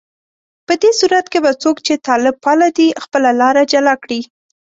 په دې صورت کې به څوک چې طالب پاله دي، خپله لاره جلا کړي